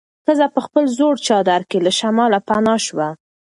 ښځه په خپل زوړ چادر کې له شماله پناه وه.